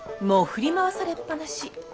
もう振り回されっぱなし。